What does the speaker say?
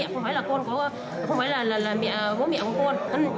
không phải là con có không phải là mẹ mối mẹ của con